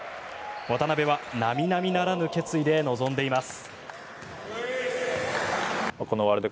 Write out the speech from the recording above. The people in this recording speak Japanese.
渡邊は並々ならぬ決意で臨んでいます。